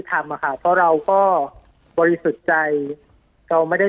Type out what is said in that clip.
ปากกับภาคภูมิ